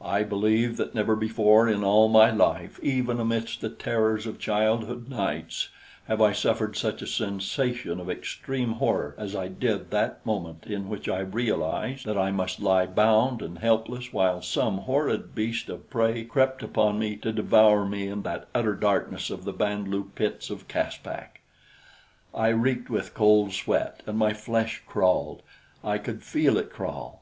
I believe that never before in all my life, even amidst the terrors of childhood nights, have I suffered such a sensation of extreme horror as I did that moment in which I realized that I must lie bound and helpless while some horrid beast of prey crept upon me to devour me in that utter darkness of the Band lu pits of Caspak. I reeked with cold sweat, and my flesh crawled I could feel it crawl.